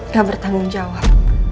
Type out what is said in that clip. gak bertanggung jawab